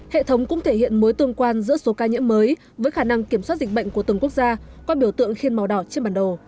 hệ thống cũng thể hiện mối tương quan giữa số ca nhiễm mới với khả năng kiểm soát dịch bệnh của từng quốc gia qua biểu tượng khiên màu đỏ trên bản đồ